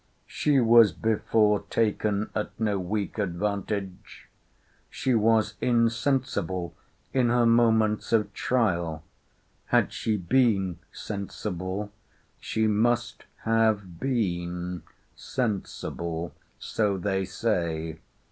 She was before taken at no weak advantage. She was insensible in her moments of trial. Had she been sensible, she must have been sensible. So they say.